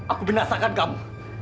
aku menasakkan kamu